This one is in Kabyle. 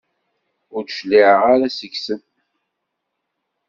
Ur d-cliɛen ara seg-sen.